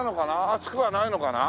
暑くはないのかな？